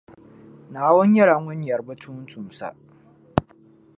Naawuni nyɛla Ŋun nyara bɛ tuuntumsa.